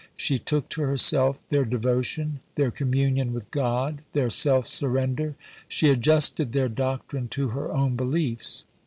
She took to herself their devotion, their communion with God, their self surrender; she adjusted their doctrine to her own beliefs.